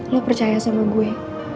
lo percaya sama gue